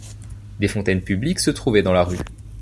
Des fontaines publiques se trouvaient dans la rue.